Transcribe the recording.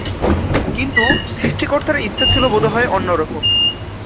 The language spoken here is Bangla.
কিন্তু সৃষ্টিকর্তার ইচ্ছে ছিলো বোধহয় অন্যরকম।